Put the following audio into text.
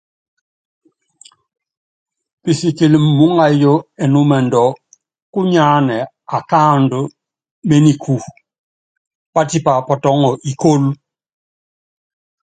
Pisikili muúŋayɔ ɛnúmɛndɔ kúnyánɛ akáandɔ ményiku, pátípa pɔtɔŋɔ ikólo.